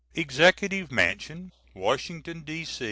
] EXECUTIVE MANSION Washington, D.